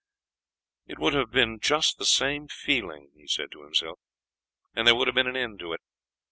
"It would have been just the same feeling," he said to himself, "and there would have been an end of it.